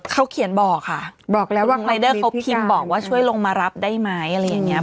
เขาเขียนบอกค่ะบอกแล้วว่ารายเดอร์เขาพิมพ์บอกว่าช่วยลงมารับได้ไหมอะไรอย่างเงี้